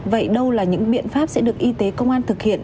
vậy đâu là những biện pháp sẽ được y tế công an thực hiện